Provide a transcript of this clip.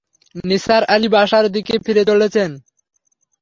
নিসার আলি বাসার দিকে ফিরে চলছেন।